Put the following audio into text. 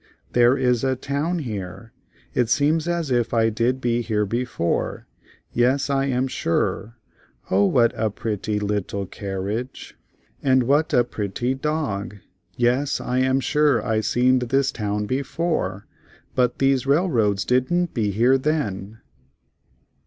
There is a town here—it seems as if I did be here before—yes I am sure—O what a pret ty lit tle car riage, and what a pret ty dog. Yes I am sure I seened this town be fore, but these rail roads didn't be here then."